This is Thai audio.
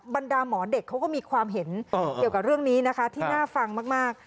บรรดามหมอเด็กก็คิดเห็นเรื่องนี้ที่น่าฟังมาก